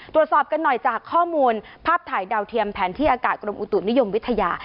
ตรวจสอบกันหน่อยจากข้อมูลภาพถ่ายดาวเทียมแผนที่อากาศกรมอุตุนิยมวิทยา